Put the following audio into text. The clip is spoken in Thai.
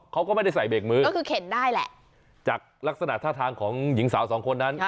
เขาก็ไม่ได้ใส่เบรกมือก็คือเข็นได้แหละจากลักษณะท่าทางของหญิงสาวสองคนนั้น